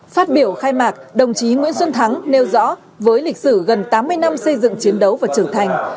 phát biểu khai mạc đồng chí nguyễn xuân thắng nêu rõ với lịch sử gần tám mươi năm xây dựng chiến đấu và trưởng thành